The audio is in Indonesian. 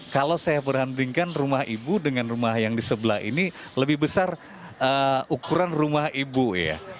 kalau saya berhandingkan rumah ibu dengan rumah yang di sebelah ini lebih besar ukuran rumah ibu ya